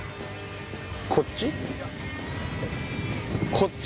こっち？